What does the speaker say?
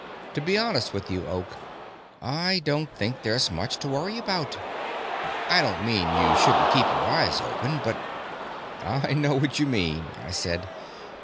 To be honest with you, Oak, I don't think there's much to worry about. I don't mean you shouldn't keep your eyes open, but " "I know what you mean," I said.